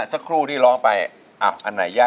สักครู่ที่ร้องไปอับอันไหนยาก